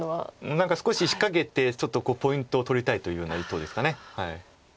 何か少し仕掛けてちょっとポイントを取りたいというような意図ですか。